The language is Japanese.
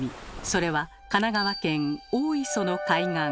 それは神奈川県大磯の海岸。